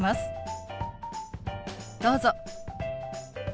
どうぞ。